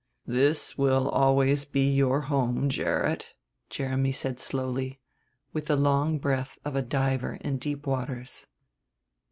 "This will always be your home, Gerrit," Jeremy said slowly, with the long breath of a diver in deep waters.